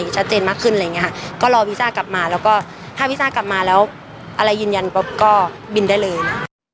ชัดเจนมากขึ้นอะไรอย่างนี้ค่ะก็รอวีซ่ากลับมาแล้วก็ถ้าวีซ่ากลับมาแล้วอะไรยืนยันปุ๊บก็บินได้เลยนะ